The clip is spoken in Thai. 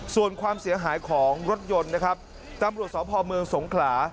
ส่วนความเสียหายของรถยนต์นะครับตำรวจสพเมืองสงขลา